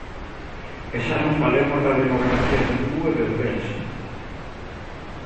E xa non falemos da demografía de Lugo e de Ourense.